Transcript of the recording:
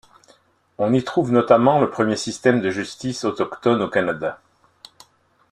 On y trouve notamment le premier système de justice autochtone au Canada.